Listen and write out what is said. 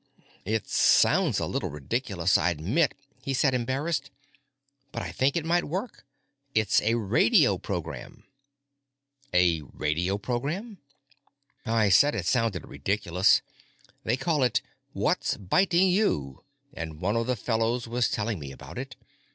"It sounds a little ridiculous, I admit," he said, embarrassed. "But I think it might work. It's a radio program." "A radio program?" "I said it sounded ridiculous. They call it, 'What's Biting You,' and one of the fellows was telling me about it.